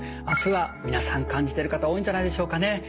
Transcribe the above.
明日は皆さん感じてる方多いんじゃないんでしょうかね。